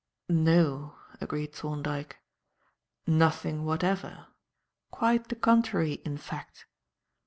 "No," agreed Thorndyke; "nothing whatever. Quite the contrary, in fact.